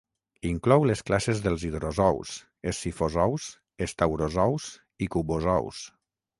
Inclou les classes dels hidrozous, escifozous, estaurozous i cubozous.